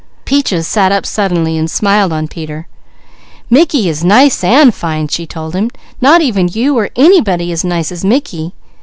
Peaches sat up suddenly and smiled on Peter. "Mickey is nice an' fine," she told him. "Not even you, or anybody, is nice as Mickey.